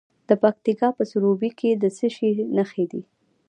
د پکتیکا په سروبي کې د څه شي نښې دي؟